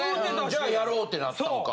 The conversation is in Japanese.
じゃあやろうってなったんか。